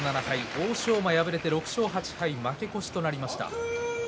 欧勝馬、６勝８敗負け越しとなりました。